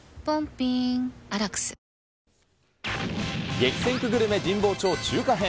激戦区グルメ、神保町中華編。